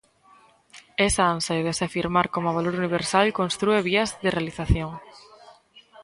Esa ansia de se afirmar como valor universal constrúe vías de realización.